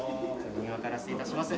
右側から失礼いたします